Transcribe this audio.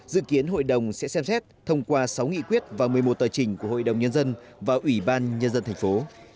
dự kiến hội đồng sẽ xem xét thông qua sáu nghị quyết và một mươi một tờ trình của hội đồng nhân dân và ủy ban nhân dân thành phố